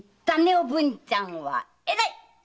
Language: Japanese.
おぶんちゃんはえらいっ！